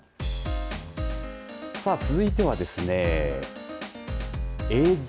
さあ続いてはですね映像